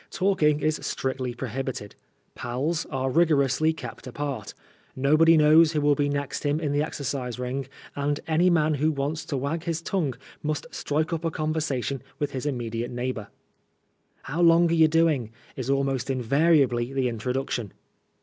Talking is strictly prohibited, " pals " are rigorously kept apart, nobody knows who will be next him in the exercise ring, and any man who wants to wag his tongue must strike up a conversation with his immediate neighbor. How long are ye doing I" is almost invariably the in troduction.